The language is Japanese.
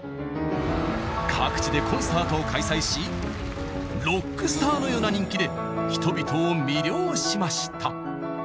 各地でコンサートを開催しロックスターのような人気で人々を魅了しました。